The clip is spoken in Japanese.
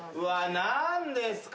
何ですか？